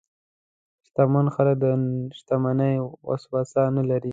شتمن خلک د شتمنۍ وسوسه نه لري.